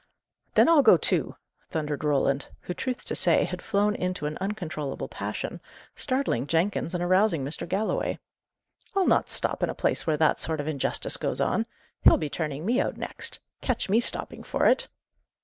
"Then I'll go too!" thundered Roland, who, truth to say, had flown into an uncontrollable passion, startling Jenkins and arousing Mr. Galloway. "I'll not stop in a place where that sort of injustice goes on! He'll be turning me out next! Catch me stopping for it!"